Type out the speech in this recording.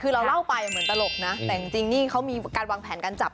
คือเราเล่าไปเหมือนตลกนะแต่จริงนี่เขามีการวางแผนการจับ